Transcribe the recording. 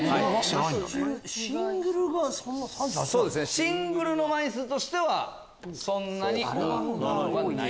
シングルの枚数としてはそんなにはない。